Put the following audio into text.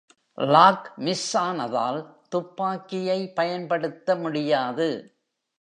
Lock miss ஆனதால் துப்பாக்கியை பயன்படுத்தமுடியாது.